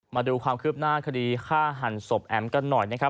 มาดูความคืบหน้าคดีฆ่าหันศพแอ๋มกันหน่อยนะครับ